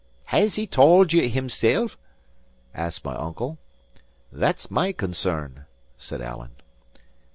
"Has he tauld ye himsel'?" asked my uncle. "That's my concern," said Alan.